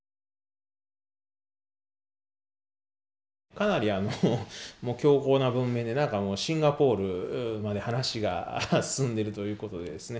かなり強硬な文面で何かもうシンガポールまで話が進んでいるという事でですね。